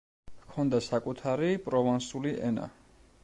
ჰქონდა საკუთარი პროვანსული ენა.